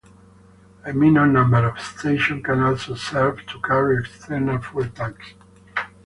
A minor number of stations can also serve to carry external fuel tanks.